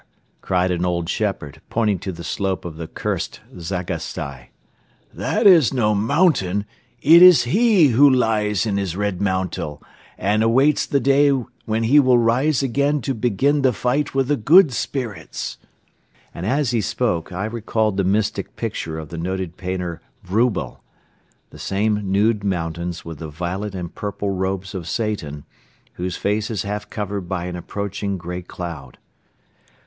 cried an old shepherd, pointing to the slope of the cursed Zagastai. "That is no mountain. It is HE who lies in his red mantle and awaits the day when he will rise again to begin the fight with the good spirits." And as he spoke I recalled the mystic picture of the noted painter Vroubel. The same nude mountains with the violet and purple robes of Satan, whose face is half covered by an approaching grey cloud.